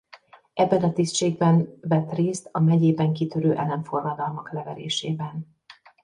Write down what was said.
Ebben a tisztségben vett részt a megyében kitörő ellenforradalmak leverésében.